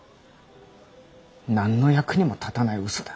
何の役にも立たないうそだ。